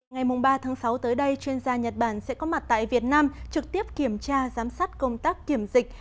ngày ba tháng sáu tới đây chuyên gia nhật bản sẽ có mặt tại việt nam trực tiếp kiểm tra giám sát công tác kiểm dịch